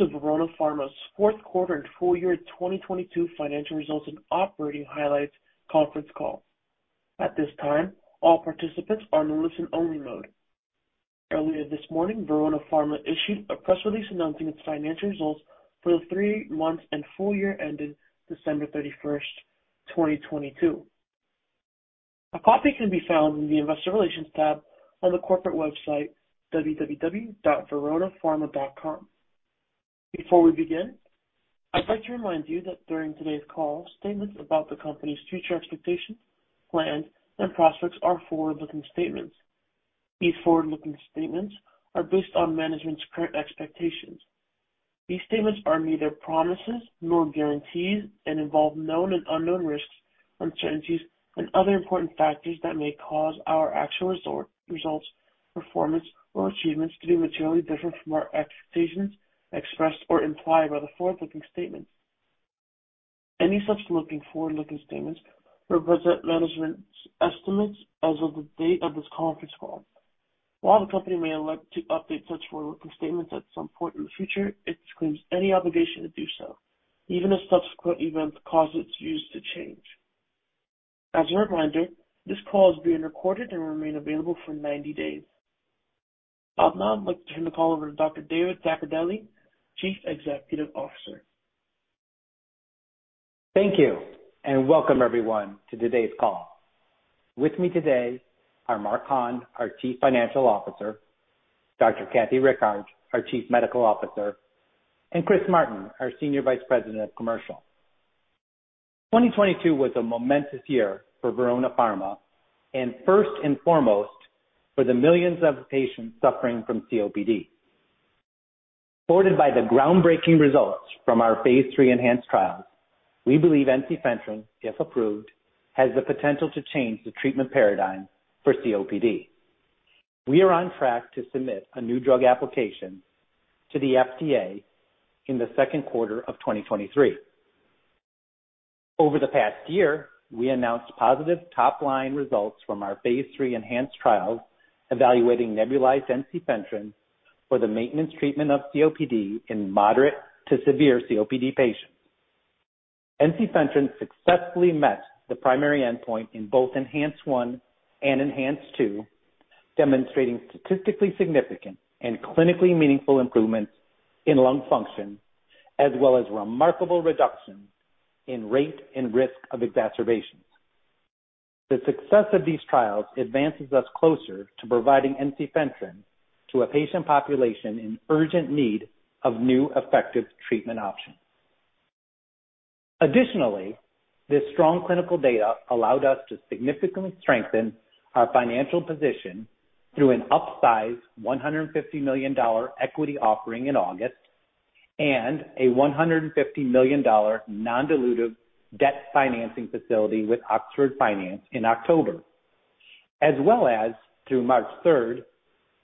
Welcome to Verona Pharma's fourth quarter and full year 2022 financial results and operating highlights conference call. At this time, all participants are in listen only mode. Earlier this morning, Verona Pharma issued a press release announcing its financial results for the three months and full year ending December 31st, 2022. A copy can be found in the investor relations tab on the corporate website, www.veronapharma.com. Before we begin, I'd like to remind you that during today's call, statements about the company's future expectations, plans and prospects are forward-looking statements. These forward-looking statements are based on management's current expectations. These statements are neither promises nor guarantees and involve known and unknown risks, uncertainties, and other important factors that may cause our actual results, performance or achievements to be materially different from our expectations expressed or implied by the forward-looking statements. Any such forward-looking statements represent management's estimates as of the date of this conference call. While the company may elect to update such forward-looking statements at some point in the future, it disclaims any obligation to do so, even if subsequent events cause its views to change. As a reminder, this call is being recorded and will remain available for 90 days. I'd now like to turn the call over to Dr. David Zaccardelli, Chief Executive Officer. Thank you, welcome everyone to today's call. With me today are Mark Hahn, our Chief Financial Officer, Dr. Kathy Rickard, our Chief Medical Officer, and Chris Martin, our Senior Vice President of Commercial. 2022 was a momentous year for Verona Pharma, and first and foremost for the millions of patients suffering from COPD. Supported by the groundbreaking results from our phase III ENHANCE trials, we believe ensifentrine, if approved, has the potential to change the treatment paradigm for COPD. We are on track to submit a new drug application to the FDA in the second quarter of 2023. Over the past year, we announced positive top-line results from our phase III ENHANCE trials evaluating nebulized ensifentrine for the maintenance treatment of COPD in moderate to severe COPD patients. Ensifentrine successfully met the primary endpoint in both ENHANCE-1 and ENHANCE-2, demonstrating statistically significant and clinically meaningful improvements in lung function as well as remarkable reduction in rate and risk of exacerbations. The success of these trials advances us closer to providing ensifentrine to a patient population in urgent need of new, effective treatment options. Additionally, this strong clinical data allowed us to significantly strengthen our financial position through an upsized $150 million equity offering in August and a $150 million non-dilutive debt financing facility with Oxford Finance in October. As well as through March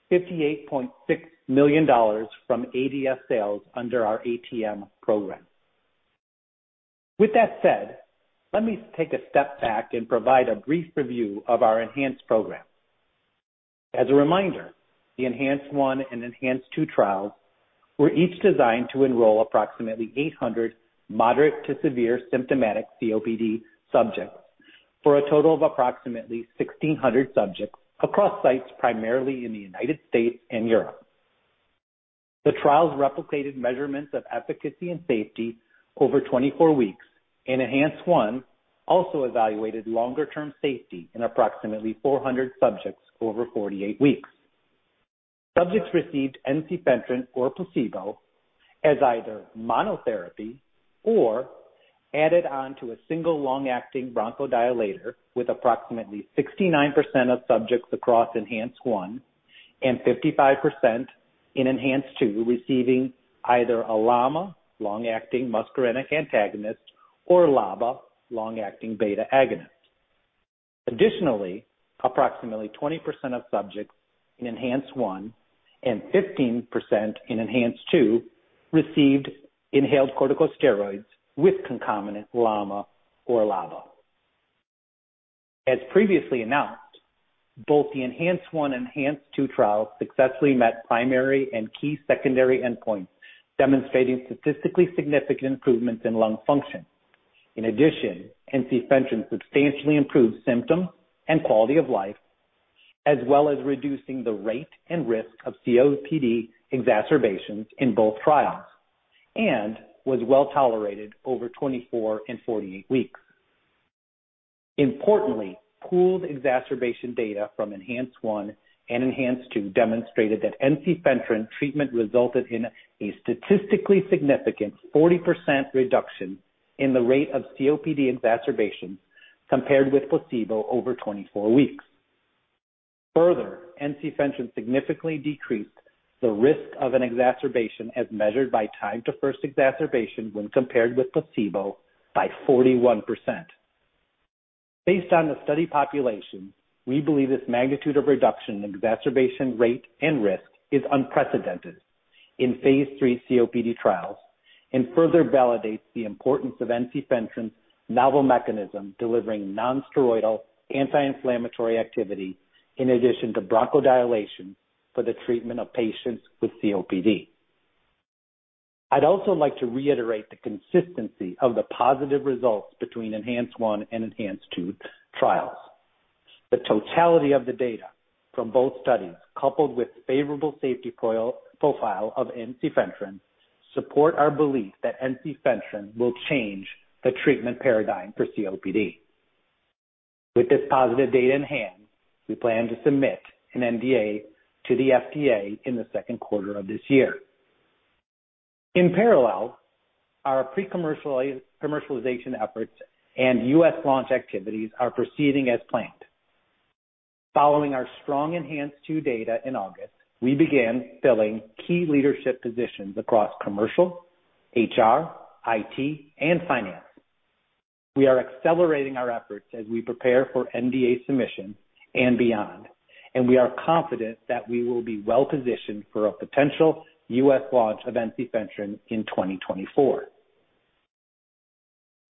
3, $58.6 million from ADS sales under our ATM program. With that said, let me take a step back and provide a brief review of our ENHANCE program. As a reminder, the ENHANCE-1 and ENHANCE-2 trials were each designed to enroll approximately 800 moderate to severe symptomatic COPD subjects for a total of approximately 1,600 subjects across sites, primarily in the United States and Europe. The trials replicated measurements of efficacy and safety over 24 weeks, and ENHANCE-1 also evaluated longer term safety in approximately 400 subjects over 48 weeks. Subjects received ensifentrine or placebo as either monotherapy or added on to a single long-acting bronchodilator, with approximately 69% of subjects across ENHANCE-1 and 55% in ENHANCE-2 receiving either a LAMA, long-acting muscarinic antagonist, or LABA, long-acting beta agonist. Additionally, approximately 20% of subjects in ENHANCE-1 and 15% in ENHANCE-2 received inhaled corticosteroids with concomitant LAMA or LABA. As previously announced, both the ENHANCE-1 and ENHANCE-2 trials successfully met primary and key secondary endpoints, demonstrating statistically significant improvements in lung function. In addition, ensifentrine substantially improved symptom and quality of life, as well as reducing the rate and risk of COPD exacerbations in both trials, and was well tolerated over 24 and 48 weeks. Importantly, pooled exacerbation data from ENHANCE-1 and ENHANCE-2 demonstrated that ensifentrine treatment resulted in a statistically significant 40% reduction in the rate of COPD exacerbations compared with placebo over 24 weeks. Further, ensifentrine significantly decreased the risk of an exacerbation, as measured by time to first exacerbation when compared with placebo, by 41%. Based on the study population, we believe this magnitude of reduction in exacerbation rate and risk is unprecedented in phase III COPD trials. Further validates the importance of ensifentrine's novel mechanism, delivering nonsteroidal anti-inflammatory activity in addition to bronchodilation for the treatment of patients with COPD. I'd also like to reiterate the consistency of the positive results between ENHANCE-1 and ENHANCE-2 trials. The totality of the data from both studies, coupled with favorable safety profile of ensifentrine, support our belief that ensifentrine will change the treatment paradigm for COPD. With this positive data in hand, we plan to submit an NDA to the FDA in the second quarter of this year. In parallel, our pre-commercialized commercialization efforts and U.S., launch activities are proceeding as planned. Following our strong ENHANCE-2 data in August, we began filling key leadership positions across commercial, HR, IT, and finance. We are accelerating our efforts as we prepare for NDA submission and beyond. We are confident that we will be well-positioned for a potential U.S. launch of ensifentrine in 2024.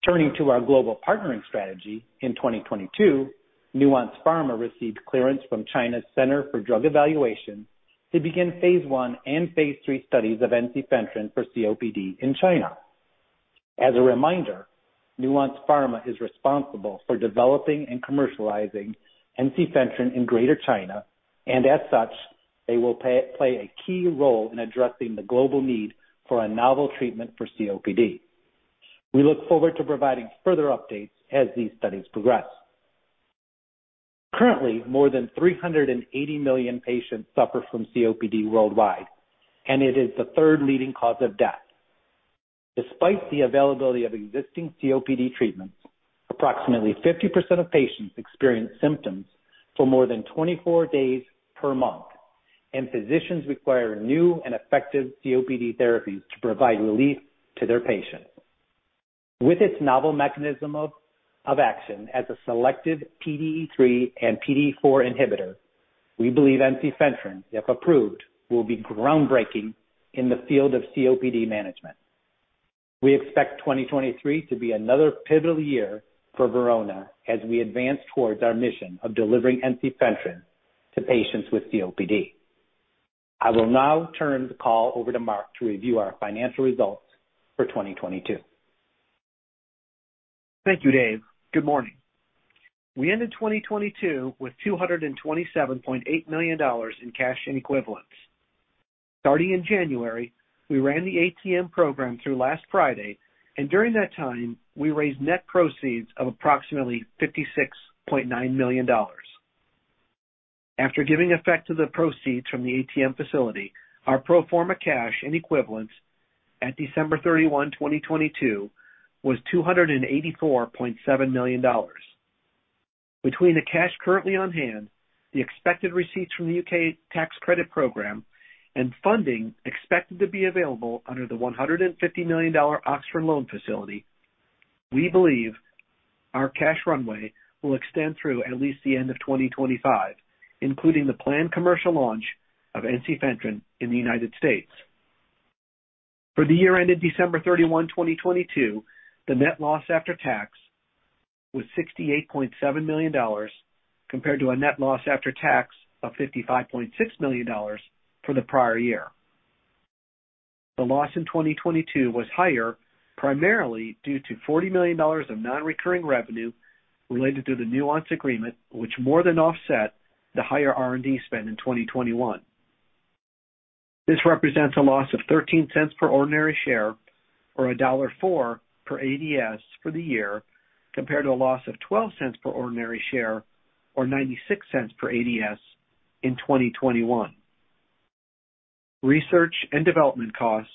Turning to our global partnering strategy in 2022, Nuance Pharma received clearance from China's Center for Drug Evaluation to begin phase I and phase III studies of ensifentrine for COPD in China. As a reminder, Nuance Pharma is responsible for developing and commercializing ensifentrine in Greater China. As such, they will play a key role in addressing the global need for a novel treatment for COPD. We look forward to providing further updates as these studies progress. Currently, more than 380 million patients suffer from COPD worldwide. It is the third leading cause of death. Despite the availability of existing COPD treatments, approximately 50% of patients experience symptoms for more than 24 days per month. Physicians require new and effective COPD therapies to provide relief to their patients. With its novel mechanism of action as a selective PDE3 and PDE4 inhibitor, we believe ensifentrine, if approved, will be groundbreaking in the field of COPD management. We expect 2023 to be another pivotal year for Verona as we advance towards our mission of delivering ensifentrine to patients with COPD. I will now turn the call over to Mark to review our financial results for 2022. Thank you, Dave. Good morning. We ended 2022 with $227.8 million in cash equivalents. Starting in January, we ran the ATM program through last Friday. During that time, we raised net proceeds of approximately $56.9 million. After giving effect to the proceeds from the ATM facility, our pro forma cash and equivalents at December 31, 2022 was $284.7 million. Between the cash currently on hand, the expected receipts from the U.K. tax credit program, and funding expected to be available under the $150 million Oxford loan facility, we believe our cash runway will extend through at least the end of 2025, including the planned commercial launch of ensifentrine in the United States. For the year ended December 31, 2022, the net loss after tax was $68.7 million, compared to a net loss after tax of $55.6 million for the prior year. The loss in 2022 was higher, primarily due to $40 million of non-recurring revenue related to the Nuance agreement, which more than offset the higher R&D spend in 2021. This represents a loss of $0.13 per ordinary share or $1.04 per ADS for the year, compared to a loss of $0.12 per ordinary share, or $0.96 per ADS in 2021. Research and development costs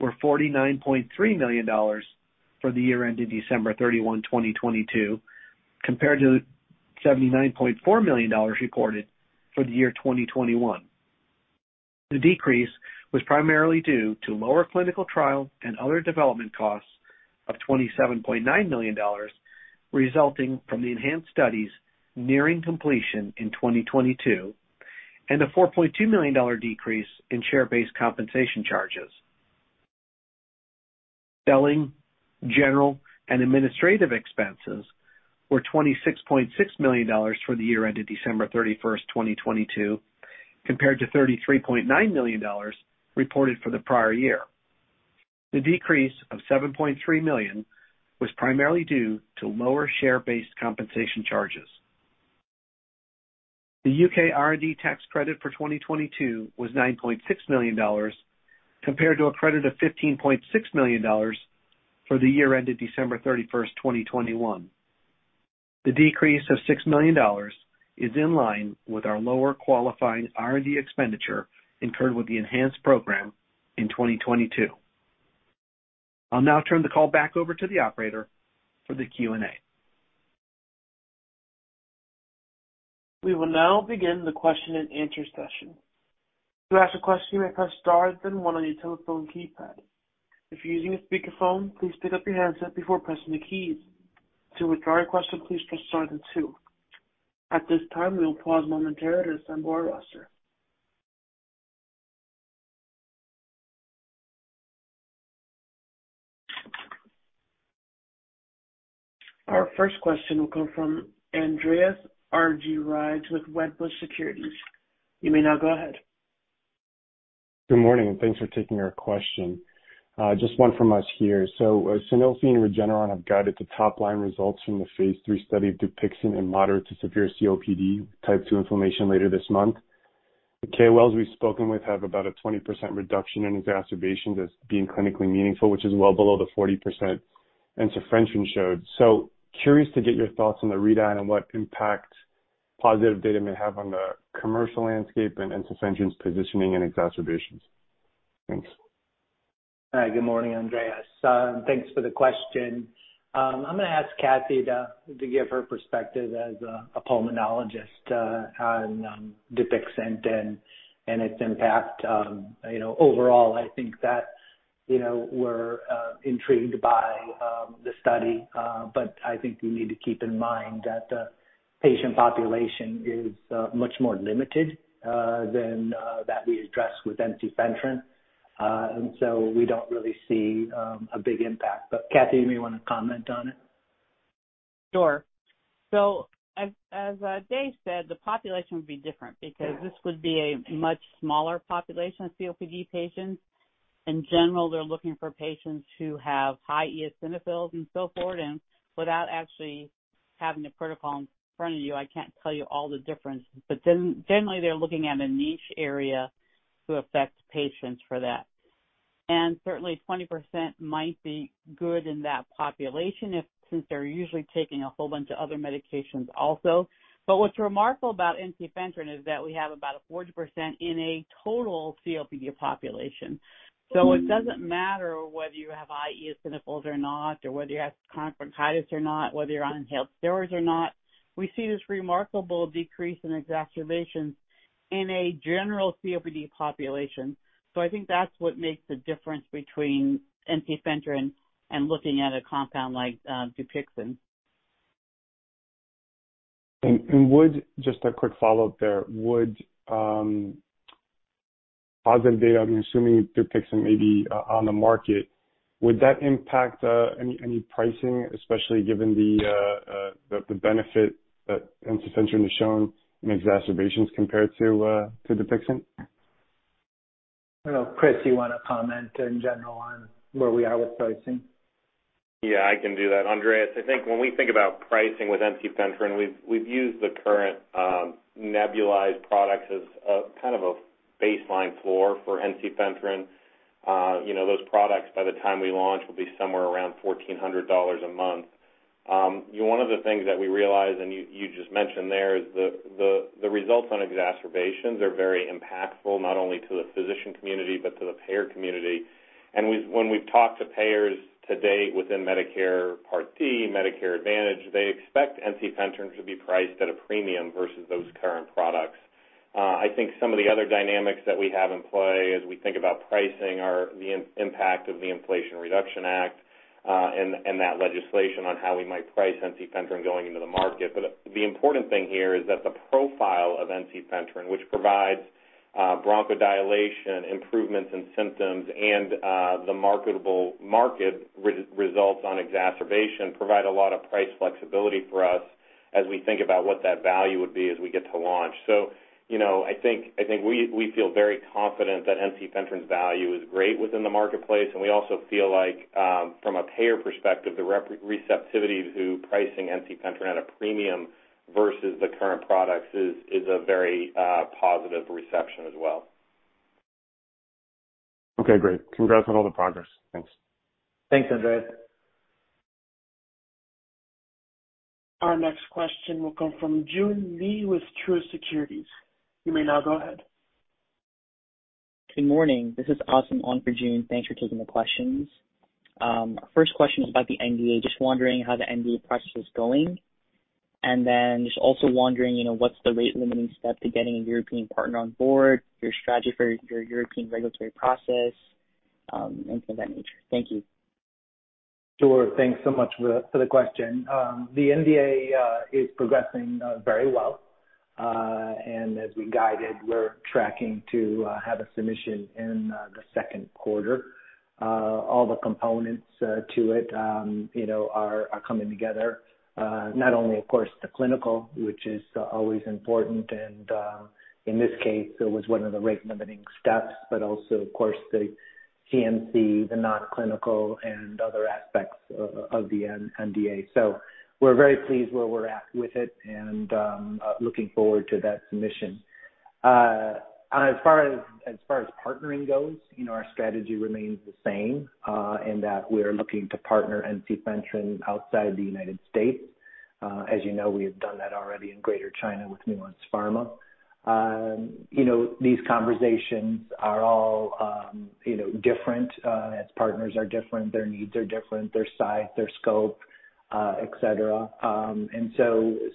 were $49.3 million for the year ended December 31, 2022, compared to the $79.4 million recorded for the year 2021. The decrease was primarily due to lower clinical trial and other development costs of $27.9 million, resulting from the ENHANCE studies nearing completion in 2022, and a $4.2 million decrease in share-based compensation charges. Selling, general, and administrative expenses were $26.6 million for the year ended December 31, 2022, compared to $33.9 million reported for the prior year. The decrease of $7.3 million was primarily due to lower share-based compensation charges. The U.K. R&D tax credit for 2022 was $9.6 million, compared to a credit of $15.6 million for the year ended December 31, 2021. The decrease of $6 million is in line with our lower qualifying R&D expenditure incurred with the ENHANCE program in 2022. I'll now turn the call back over to the operator for the Q&A. We will now begin the question and answer session. To ask a question, you may press star, then one on your telephone keypad. If you're using a speakerphone, please pick up your handset before pressing the keys. To withdraw your question, please press star then two. At this time, we will pause momentarily to assemble our roster. Our first question will come from Andreas Argyrides with Wedbush Securities. You may now go ahead. Good morning. Thanks for taking our question. Just one from us here. Sanofi and Regeneron have guided the top-line results from the phase III study of Dupixent in moderate to severe COPD type 2 inflammation later this month. The KOLs we've spoken with have about a 20% reduction in exacerbations as being clinically meaningful, which is well below the 40% ensifentrine showed. Curious to get your thoughts on the readout and what impact positive data may have on the commercial landscape and ensifentrine's positioning and exacerbations. Thanks. Hi. Good morning, Andreas Argyrides. Thanks for the question. I'm gonna ask Kathy to give her perspective as a Pulmonologist on Dupixent and its impact. You know, overall, I think that, you know, we're intrigued by the study, but I think we need to keep in mind that the patient population is much more limited than that we address with ensifentrine. We don't really see a big impact. Kathy, you may wanna comment on it. Sure. As, as David said, the population would be different because this would be a much smaller population of COPD patients. In general, they're looking for patients who have high eosinophils and so forth. Without actually having the protocol in front of you, I can't tell you all the differences. Generally, they're looking at a niche area to affect patients for that. Certainly, 20% might be good in that population if. since they're usually taking a whole bunch of other medications also. What's remarkable about ensifentrine is that we have about a 40% in a total COPD population. It doesn't matter whether you have high eosinophils or not, or whether you have chronic bronchitis or not, whether you're on inhaled steroids or not. We see this remarkable decrease in exacerbations in a general COPD population. I think that's what makes the difference between ensifentrine and looking at a compound like, Dupixent. Just a quick follow-up there. Would positive data, I'm assuming Dupixent may be on the market, would that impact any pricing, especially given the benefit that ensifentrine has shown in exacerbations compared to Dupixent? I don't know. Chris, you wanna comment in general on where we are with pricing? Yeah, I can do that. Andreas, I think when we think about pricing with ensifentrine, we've used the current nebulized products as a kind of a baseline floor for ensifentrine. you know, those products by the time we launch will be somewhere around $1,400 a month. One of the things that we realized, and you just mentioned there, is the results on exacerbations are very impactful, not only to the physician community but to the payer community. When we've talked to payers to date within Medicare Part D, Medicare Advantage, they expect ensifentrine to be priced at a premium versus those current products. I think some of the other dynamics that we have in play as we think about pricing are the impact of the Inflation Reduction Act, and that legislation on how we might priceensifentrine going into the market. The important thing here is that the profile of ensifentrine, which provides bronchodilation, improvements in symptoms and the marketable market results on exacerbation, provide a lot of price flexibility for us as we think about what that value would be as we get to launch. You know, I think we feel very confident that ensifentrine's value is great within the marketplace. We also feel like, from a payer perspective, the receptivity to pricing ensifentrine at a premium versus the current products is a very positive reception as well. Okay, great. Congrats on all the progress. Thanks. Thanks, Andreas. Our next question will come from Joon Lee with Truist Securities. You may now go ahead. Good morning. This is Austin on for Joon. Thanks for taking the questions. First question is about the NDA. Just wondering how the NDA process is going? Just also wondering, you know, what's the rate limiting step to getting a European partner on board, your strategy for your European regulatory process, anything of that nature? Thank you. Sure. Thanks so much for the question. The NDA is progressing very well. As we guided, we're tracking to have a submission in the second quarter. All the components to it, you know, are coming together. Not only of course the clinical, which is always important, and in this case it was one of the rate limiting steps, but also of course the CMC, the non-clinical and other aspects of the NDA. We're very pleased where we're at with it and looking forward to that submission. As far as partnering goes, you know, our strategy remains the same in that we are looking to partner ensifentrine outside the United States. As you know, we have done that already in Greater China with Nuance Pharma. You know, these conversations are all, you know, different, as partners are different, their needs are different, their size, their scope, etc..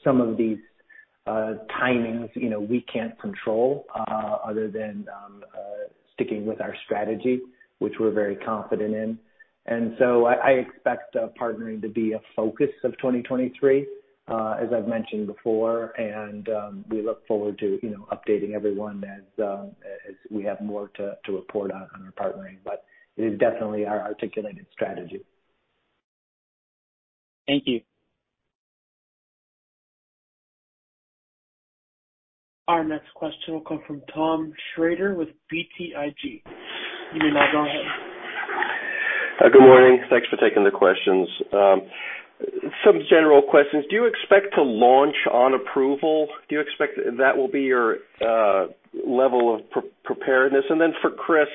Some of these timings, you know, we can't control other than sticking with our strategy, which we're very confident in. I expect partnering to be a focus of 2023, as I've mentioned before, and we look forward to, you know, updating everyone as we have more to report on our partnering. It is definitely our articulated strategy. Thank you. Our next question will come from Thomas Shrader with BTIG. You may now go ahead. Good morning. Thanks for taking the questions. Some general questions. Do you expect to launch on approval? Do you expect that will be your level of preparedness? For Chris,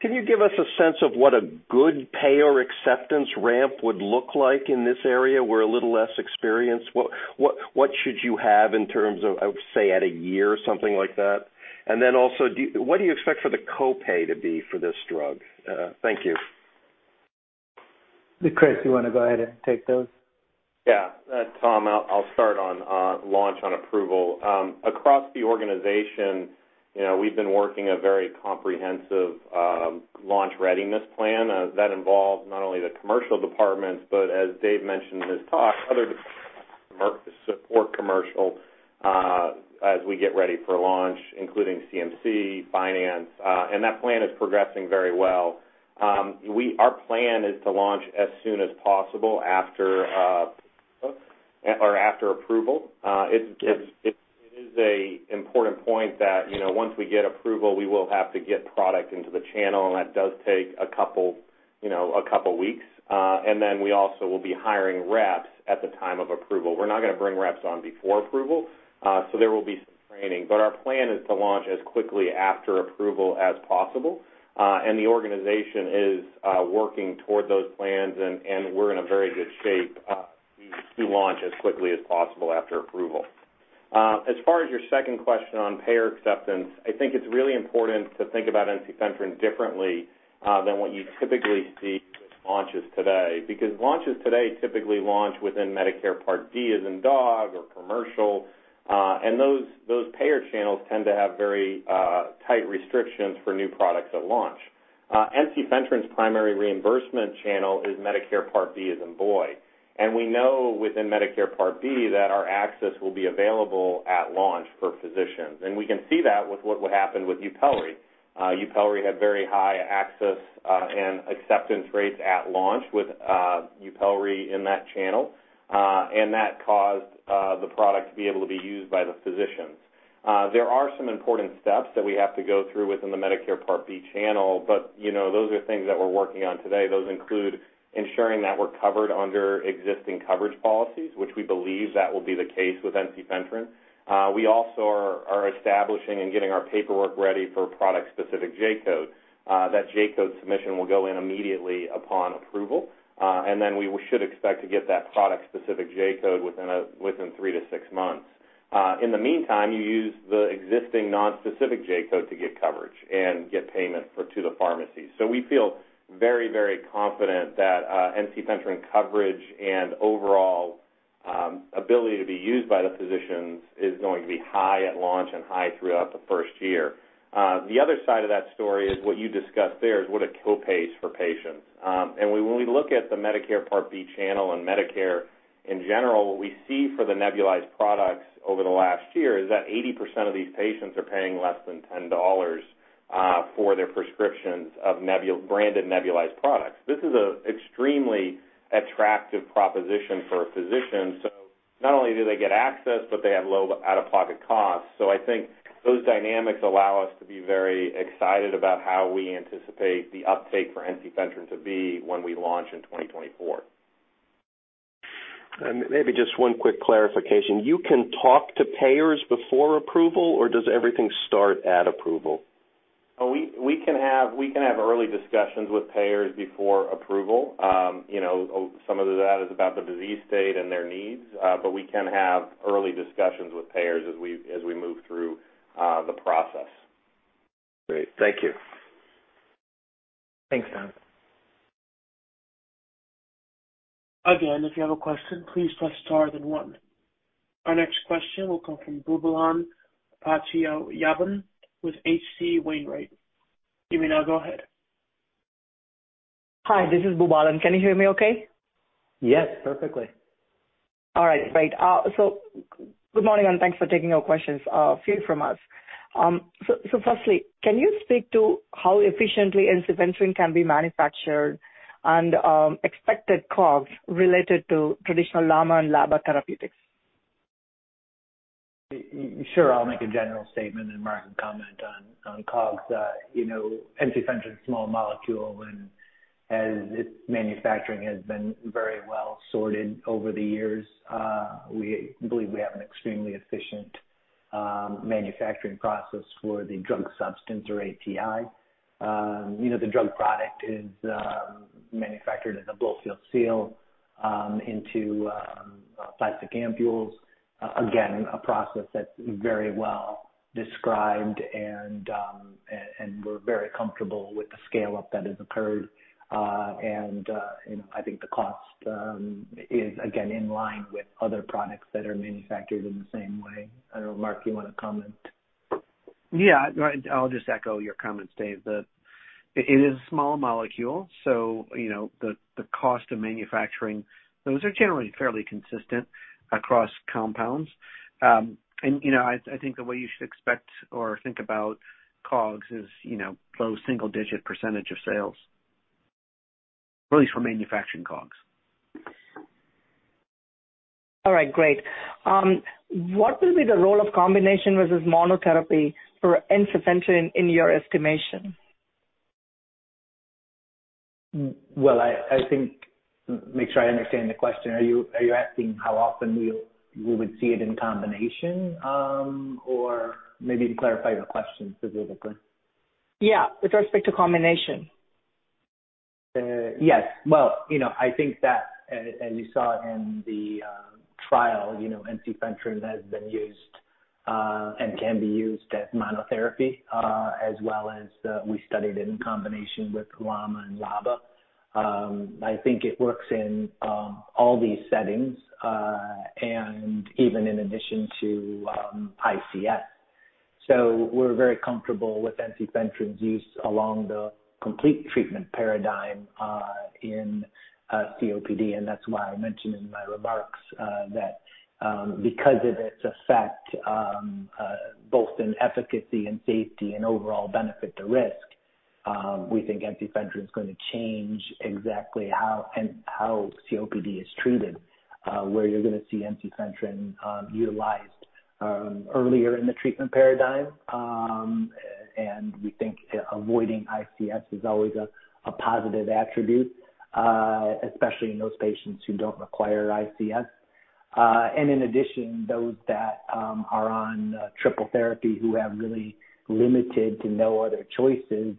can you give us a sense of what a good payer acceptance ramp would look like in this area where a little less experienced? What should you have in terms of, say, at a year or something like that? Also, what do you expect for the copay to be for this drug? Thank you. Chris, you wanna go ahead and take those? Yeah. Tom, I'll start on launch on approval. Across the organization, you know, we've been working a very comprehensive launch readiness plan that involves not only the commercial departments, but as Dave mentioned in his talk, other departments to support commercial as we get ready for launch, including CMC, finance, and that plan is progressing very well. Our plan is to launch as soon as possible after or after approval. It's, it is an important point that, you know, once we get approval, we will have to get product into the channel, and that does take a couple, you know, a couple weeks. Then we also will be hiring reps at the time of approval. We're not gonna bring reps on before approval, so there will be some training. Our plan is to launch as quickly after approval as possible, and the organization is working toward those plans and we're in a very good shape to launch as quickly as possible after approval. As far as your second question on payer acceptance, I think it's really important to think about ensifentrine differently than what you typically see with launches today. Launches today typically launch within Medicare Part D, as in dog or commercial, and those payer channels tend to have very tight restrictions for new products at launch. ensifentrine's primary reimbursement channel is Medicare Part B, as in boy. We know within Medicare Part B that our access will be available at launch for physicians. We can see that with what would happen with Yupelri. Yupelri had very high access and acceptance rates at launch with Yupelri in that channel, and that caused the product to be able to be used by the physicians. There are some important steps that we have to go through within the Medicare Part B channel, but, you know, those are things that we're working on today. Those include ensuring that we're covered under existing coverage policies, which we believe that will be the case with ensifentrine. We also are establishing and getting our paperwork ready for product-specific J-code. That J-code submission will go in immediately upon approval, and then we should expect to get that product-specific J-code within three to six months. In the meantime, you use the existing non-specific J-code to get coverage and get payment for to the pharmacy. We feel very, very confident that ensifentrine coverage and overall ability to be used by the physicians is going to be high at launch and high throughout the first year. The other side of that story is what you discussed there is what a copay is for patients. When we look at the Medicare Part B channel and Medicare in general, what we see for the nebulized products over the last year is that 80% of these patients are paying less than $10 for their prescriptions of branded nebulized products. This is a extremely attractive proposition for a physician. Not only do they get access, but they have low out-of-pocket costs. I think those dynamics allow us to be very excited about how we anticipate the uptake for ensifentrine to be when we launch in 2024. Maybe just one quick clarification. You can talk to payers before approval or does everything start at approval? We can have early discussions with payers before approval. You know, some of that is about the disease state and their needs, but we can have early discussions with payers as we move through the process. Great. Thank you. Thanks, Tom. Again, if you have a question, please press star then one. Our next question will come from Boobalan Pachaiyappan with H.C. Wainwright. You may now go ahead. Hi, this is Boobalan. Can you hear me okay? Yes, perfectly. All right. Great. Good morning and thanks for taking our questions, few from us. Firstly, can you speak to how efficiently ensifentrine can be manufactured and expected costs related to traditional LAMA and LABA Therapeutics? Sure. I'll make a general statement and Mark can comment on COGS. You know, ensifentrine is a small molecule, and as its manufacturing has been very well sorted over the years, we believe we have an extremely efficient manufacturing process for the drug substance or API. You know, the drug product is manufactured in a Blow-Fill-Seal into plastic ampules. Again, a process that's very well described and we're very comfortable with the scale-up that has occurred. You know, I think the cost is again in line with other products that are manufactured in the same way. I don't know, Mark, you wanna comment? Yeah, right. I'll just echo your comments, Dave, that it is a small molecule, so, you know, the cost of manufacturing those are generally fairly consistent across compounds. You know, I think the way you should expect or think about COGS is, you know, low single-digit % of sales. At least for manufacturing COGS. All right, great. What will be the role of combination versus monotherapy for ensifentrine in your estimation? Well, I think make sure I understand the question. Are you, are you asking how often we would see it in combination, or maybe clarify your question specifically? Yeah, with respect to combination. Yes. Well, you know, I think that as you saw in the trial, you know, ensifentrine has been used and can be used as monotherapy, as well as we studied it in combination with LAMA and LABA. I think it works in all these settings, and even in addition to ICS. We're very comfortable with ensifentrine's use along the complete treatment paradigm in COPD, and that's why I mentioned in my remarks that because of its effect, both in efficacy and safety and overall benefit to risk, we think ensifentrine is gonna change exactly how and how COPD is treated. Where you're gonna see ensifentrine utilized earlier in the treatment paradigm. We think avoiding ICS is always a positive attribute, especially in those patients who don't require ICS. In addition, those that are on triple therapy who have really limited to no other choices,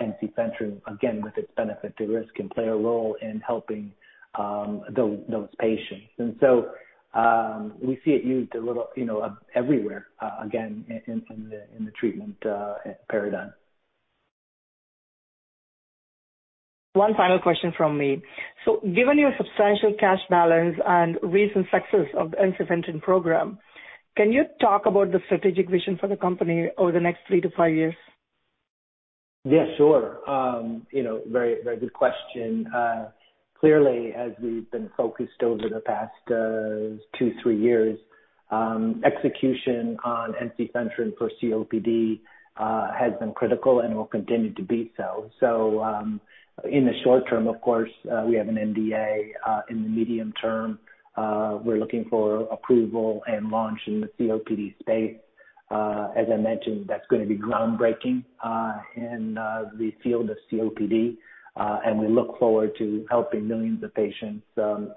ensifentrine, again, with its benefit to risk, can play a role in helping those patients. We see it used a little, you know, everywhere, again, in the treatment paradigm. One final question from me. Given your substantial cash balance and recent success of the ENHANCE program, can you talk about the strategic vision for the company over the next 3-5 years? Sure. You know, very, very good question. Clearly, as we've been focused over the past two, three years, execution on ensifentrine for COPD has been critical and will continue to be so. In the short term, of course, we have an NDA. In the medium term, we're looking for approval and launch in the COPD space. As I mentioned, that's gonna be groundbreaking in the field of COPD, and we look forward to helping millions of patients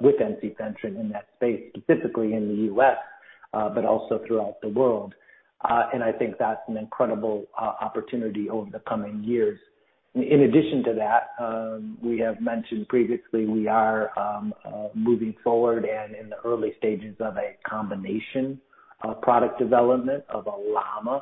with ensifentrine in that space, specifically in the U.S., but also throughout the world. I think that's an incredible opportunity over the coming years. In addition to that, we have mentioned previously we are moving forward and in the early stages of a combination of product development of a LAMA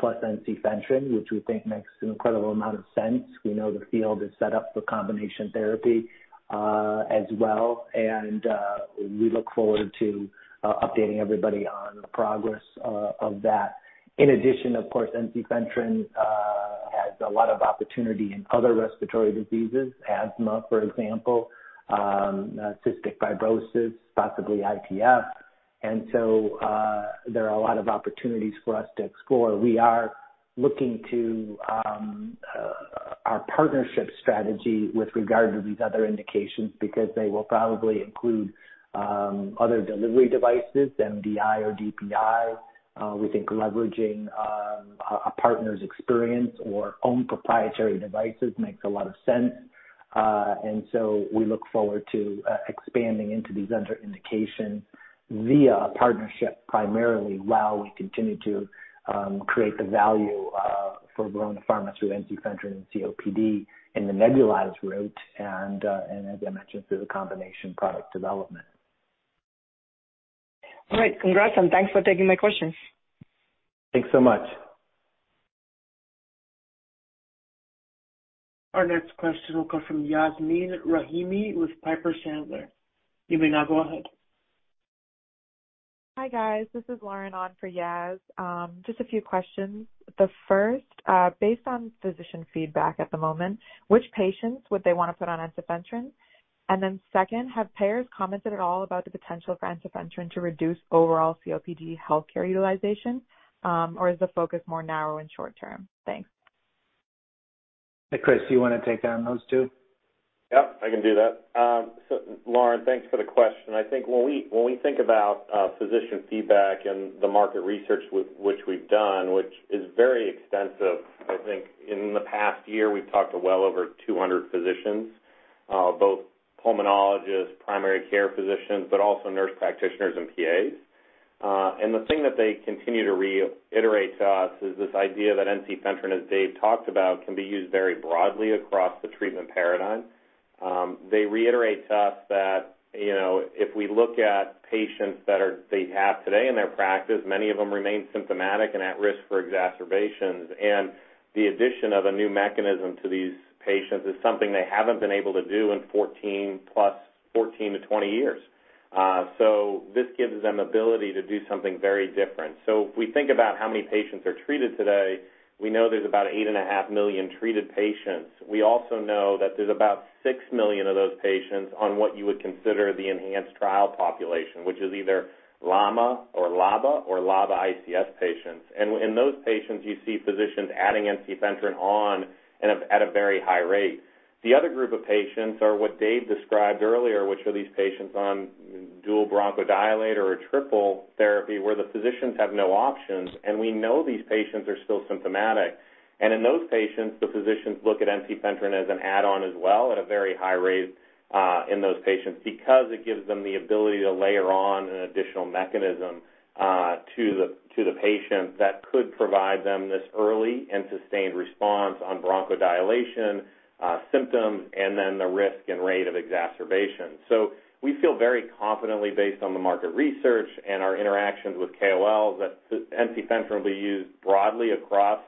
plus ensifentrine, which we think makes an incredible amount of sense. We know the field is set up for combination therapy as well, we look forward to updating everybody on the progress of that. In addition, of course, ensifentrine has a lot of opportunity in other respiratory diseases, asthma, for example, cystic fibrosis, possibly IPF. There are a lot of opportunities for us to explore. We are looking to our partnership strategy with regard to these other indications because they will probably include other delivery devices, MDI or DPI. We think leveraging a partner's experience or a proprietary devices makes a lot of sense. We look forward to expanding into these other indications via a partnership, primarily while we continue to create the value for Verona Pharma through ensifentrine and COPD in the nebulized route and as I mentioned, through the combination product development. All right. Congrats, and thanks for taking my questions. Thanks so much. Our next question will come from Yasmeen Rahimi with Piper Sandler. You may now go ahead. Hi, guys. This is Lauren on for Yas. Just a few questions. The first, based on physician feedback at the moment, which patients would they wanna put on ensifentrine? Second, have payers commented at all about the potential for ensifentrine to reduce overall COPD healthcare utilization, or is the focus more narrow and short term? Thanks. Chris, do you wanna take on those two? Yep, I can do that. Lauren, thanks for the question. I think when we think about physician feedback and the market research which we've done, which is very extensive. I think in the past year, we've talked to well over 200 physicians, both pulmonologists, primary care physicians, but also nurse practitioners and PAs. The thing that they continue to reiterate to us is this idea that ensifentrine, as Dave talked about, can be used very broadly across the treatment paradigm. They reiterate to us that, you know, if we look at patients that they have today in their practice, many of them remain symptomatic and at risk for exacerbations. The addition of a new mechanism to these patients is something they haven't been able to do in 14 to 20 years. This gives them ability to do something very different. If we think about how many patients are treated today, we know there's about 8.5 million treated patients. We also know that there's about 6 million of those patients on what you would consider the ENHANCE trial population, which is either LAMA or LABA or LABA ICS patients. In those patients, you see physicians adding ensifentrine on at a very high rate. The other group of patients are what Dave described earlier, which are these patients on dual bronchodilator or triple therapy, where the physicians have no options, and we know these patients are still symptomatic. In those patients, the physicians look at ensifentrine as an add-on as well at a very high rate in those patients because it gives them the ability to layer on an additional mechanism to the patient that could provide them this early and sustained response on bronchodilation, symptom, and then the risk and rate of exacerbation. We feel very confidently based on the market research and our interactions with KOLs, that ensifentrine will be used broadly across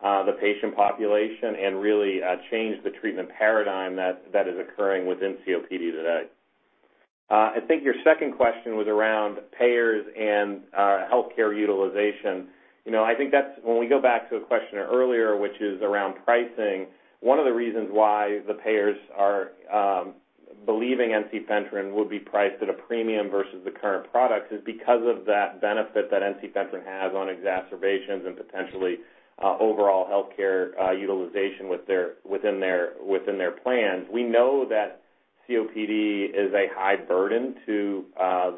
the patient population and really change the treatment paradigm that is occurring within COPD today. I think your second question was around payers and healthcare utilization. You know, I think that's when we go back to a question earlier, which is around pricing. One of the reasons why the payers are believing ensifentrine would be priced at a premium versus the current product is because of that benefit that ensifentrine has on exacerbations and potentially overall healthcare utilization within their plans. We know that COPD is a high burden to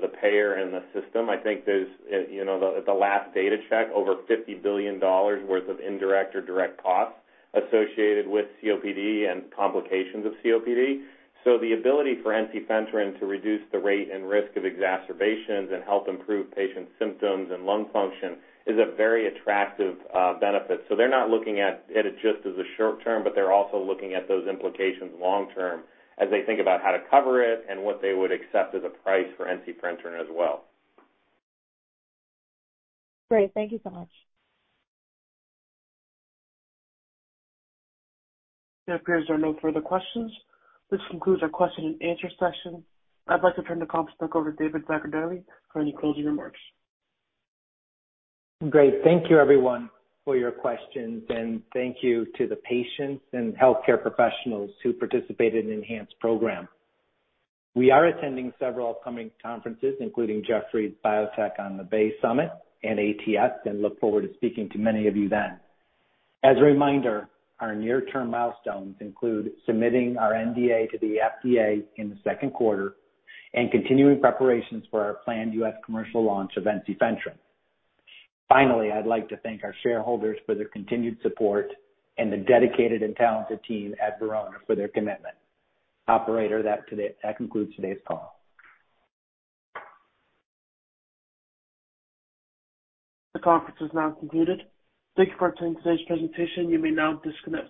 the payer and the system. I think there's, you know, at the last data check over $50 billion worth of indirect or direct costs associated with COPD and complications of COPD. The ability for ensifentrine to reduce the rate and risk of exacerbations and help improve patient symptoms and lung function is a very attractive benefit. They're not looking at it as just as a short term, but they're also looking at those implications long term as they think about how to cover it and what they would accept as a price for ensifentrine as well. Great. Thank you so much. It appears there are no further questions. This concludes our question and answer session. I'd like to turn the conference back over to David Zaccardelli for any closing remarks. Great. Thank you everyone for your questions, and thank you to the patients and healthcare professionals who participated in ENHANCE program. We are attending several upcoming conferences, including Jefferies Biotech on the Bay Summit and ATS, and look forward to speaking to many of you then. As a reminder, our near-term milestones include submitting our NDA to the FDA in the second quarter and continuing preparations for our planned U.S., commercial launch of ensifentrine. Finally, I'd like to thank our shareholders for their continued support and the dedicated and talented team at Verona for their commitment. Operator, that concludes today's call. The conference is now concluded. Thank you for attending today's presentation. You may now disconnect.